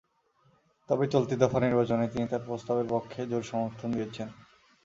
তবে চলতি দফা নির্বাচনে তিনি তাঁর প্রস্তাবের পক্ষে জোর সমর্থন দিয়েছেন।